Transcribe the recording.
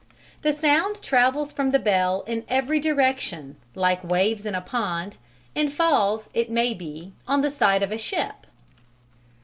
The sound travels from the bell in every direction, like waves in a pond, and falls, it may be, on the side of a ship.